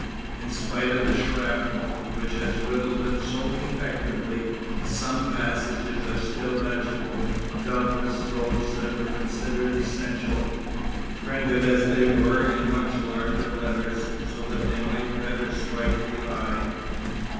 In spite of the shrapnel which has riddled them so effectively, some passages are still legible, doubtless those that were considered essential, printed as they were in much larger letters so that they might better strike the eye.